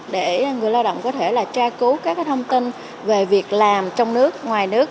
để người lao động có thể tra cứu các thông tin về việc làm trong nước ngoài nước